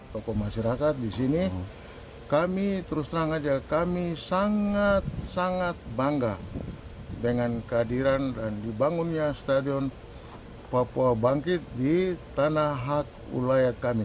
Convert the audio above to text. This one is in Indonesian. tokoh masyarakat di sini kami terus terang saja kami sangat sangat bangga dengan kehadiran dan dibangunnya stadion papua bangkit di tanah hak ulayat kami